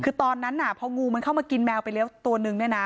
คือตอนนั้นพองูมันเข้ามากินแมวไปแล้วตัวนึงเนี่ยนะ